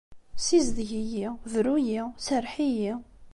Ssizdeg-iyi! Bru-iyi! Serreḥ-iyi!